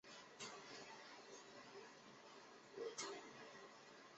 目前现存唯一的手抄本保存在土耳其伊斯坦布尔市法提赫区的国民图书馆。